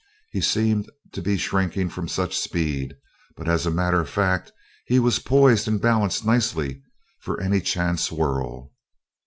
He seemed to be shrinking from such speed, but as a matter of fact he was poised and balanced nicely for any chance whirl.